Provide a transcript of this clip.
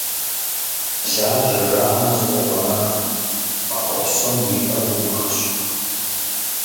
«Лажьэ» жаӀэм зыкъогъэмэх, махуэ псом уи пӀэр Ӏумыхщ.